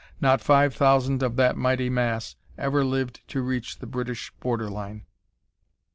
not five thousand of that mighty mass ever lived to reach the British border line."